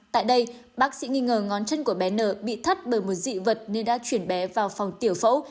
tại đây bác sĩ nghi ngờ ngón chân của bé n bị thất bởi một dị vật nên đã chuyển bé vào phòng tiểu phẫu